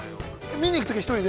見に行くとき、１人で？